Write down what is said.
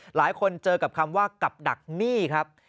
หลายคนเจอกับคำว่ากับดักหนี้ครับ